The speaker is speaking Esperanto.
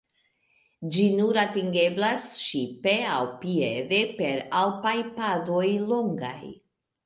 Ĝi nur atingeblas ŝipe aŭ piede per alpaj padoj longaj.